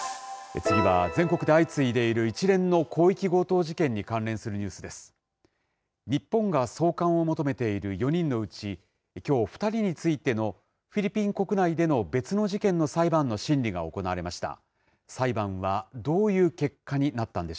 次は全国で相次いでいる一連の広域強盗事件に関連するニュースです。